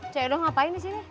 cik edo ngapain disini